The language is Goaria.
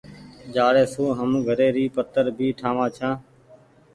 جآڙي سون هم گھري ري پتر ڀي ٺآ وآن ڇآن۔